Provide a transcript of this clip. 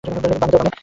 বামে যাও, বামে!